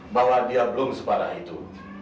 bahwa dia belum separah itu